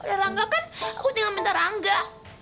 udah rangga kan aku tinggal minta rangga